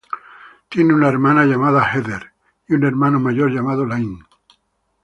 Tiene una hermana llamada Heather y un hermano mayor llamado Iain.